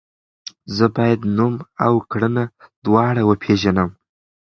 زه باید نوم او کړنه دواړه وپیژنم.